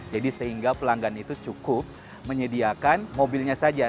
jadi sehingga pelanggan itu cukup menyediakan mobilnya saja